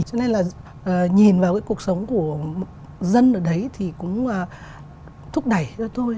cho nên là nhìn vào cái cuộc sống của dân ở đấy thì cũng thúc đẩy cho tôi